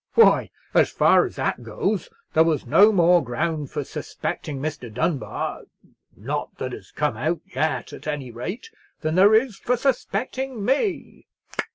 Why, as far as that goes, there was no more ground for suspecting Mr. Dunbar—not that has come out yet, at any rate—than there is for suspecting me!"